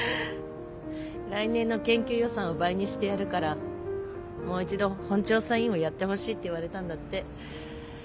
来年の研究予算を倍にしてやるからもう一度本調査委員をやってほしいって言われたんだって。